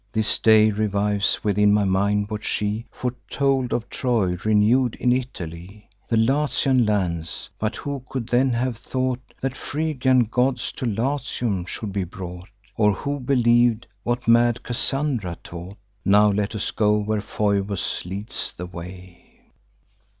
This day revives within my mind what she Foretold of Troy renew'd in Italy, And Latian lands; but who could then have thought That Phrygian gods to Latium should be brought, Or who believ'd what mad Cassandra taught? Now let us go where Phoebus leads the way.